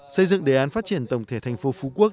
xây dựng đề án phát triển tổng thể thành phố phú quốc